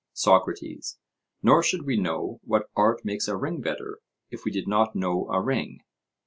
SOCRATES: Nor should we know what art makes a ring better, if we did not know a ring?